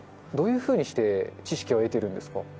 どういうふうにして知識を得てるんですか。